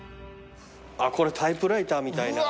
これタイプライターみたいな。